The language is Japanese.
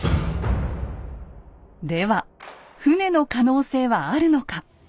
では船の可能性はあるのか。